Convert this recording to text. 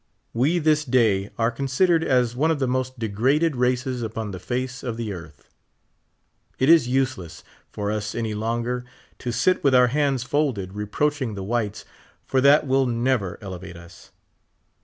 We this day are con sidered as one of the most degraded races upon the face of the earth. It is useless for us any longer to sit with our hands folded reproaching the whites, for that will never elevate us.